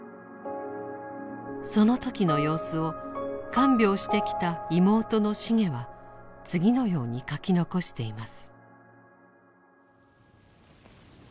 その時の様子を看病してきた妹のシゲは次のように書き残しています。